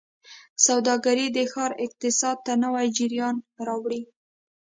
سوداګرۍ د ښار اقتصاد ته نوي جریان راوړي.